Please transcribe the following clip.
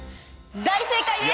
大正解です！